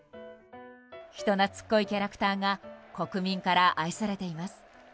人懐っこいキャラクターが国民から愛されています。